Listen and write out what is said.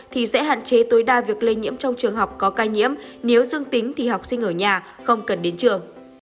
thì sẽ hạn chế tối đa việc lây nhiễm trong trường học có ca nhiễm nếu dương tính thì học sinh ở nhà không cần đến trường